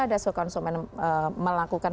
ada konsumen melakukan